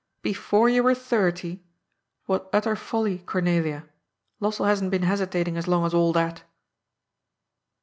* Before you were thirty I ' What utter folly, Cornelia. Lossell hasn't been hesitating as long as all that."